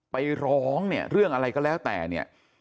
ไปร้องเนี่ยเรื่องอะไรก็แล้วแต่เนี่ย